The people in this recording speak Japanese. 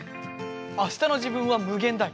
あしたの自分はむげん大！